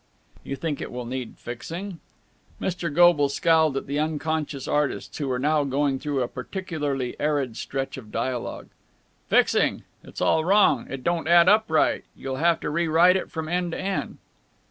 "You think it will need fixing?" Mr. Goble scowled at the unconscious artists, who were now going through a particularly arid stretch of dialogue. "Fixing! It's all wrong! It don't add up right! You'll have to rewrite it from end to end."